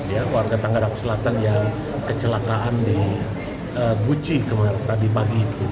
ya warga tangerang selatan yang kecelakaan di guci kemarin tadi pagi itu